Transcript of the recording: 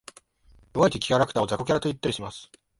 弱い敵キャラクターを雑魚キャラと言ったりします。